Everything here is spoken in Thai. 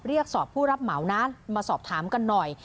เรียกสอบผู้รับเหมานะมาสอบถามกันหน่อย